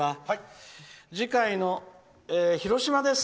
次回は広島です。